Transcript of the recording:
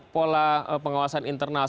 pola pengawasan internal